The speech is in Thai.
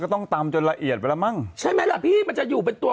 ต้องตำจนละเอียดไปแล้วมั้งใช่ไหมล่ะพี่มันจะอยู่เป็นตัว